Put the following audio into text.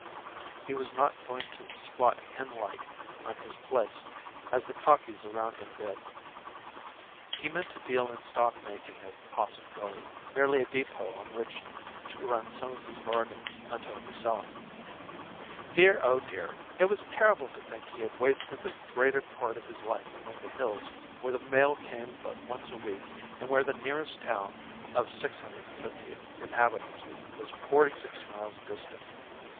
He was not going to squat henlike on his place as the cockies around him did. He meant to deal in stock making of Possum Gully merely a depot on which to run some of his bargains until reselling. Dear, oh dear! It was terrible to think he had wasted the greater part of his life among the hills where the mail came but once a week, and where the nearest town, of 650 inhabitants, was forty six miles distant.